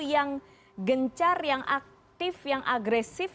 yang gencar yang aktif yang agresif